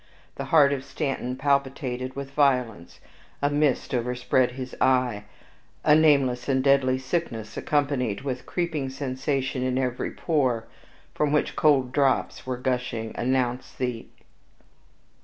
The heart of Stanton palpitated with violence, a mist overspread his eye, a nameless and deadly sickness, accompanied with a creeping sensation in every pore, from which cold drops were gushing, announced the.